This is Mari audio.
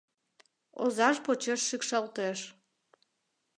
Озаж почеш шикшалтеш.